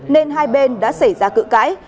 nên hai bên đã xảy ra cự cãi